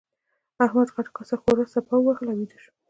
احمد غټه کاسه ښوروا څپه وهله او ويده شو.